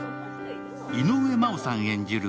井上真央さん演じる